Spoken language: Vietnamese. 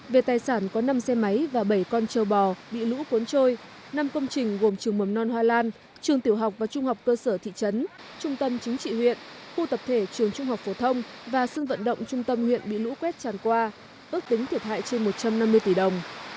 về tài sản có năm xe máy và bảy con châu bò bị lũ cuốn trôi năm công trình gồm trường mầm non hoa lan trường tiểu học và trung học cơ sở thị trấn trung tâm chính trị huyện khu tập thể trường trung học phổ thông và sân vận động trung tâm huyện bị lũ quét tràn qua ước tính thiệt hại trên một trăm năm mươi tỷ đồng